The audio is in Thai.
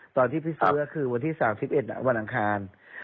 ตอนที่พี่ซื้อก็คือวันที่๓๑วันอังคาร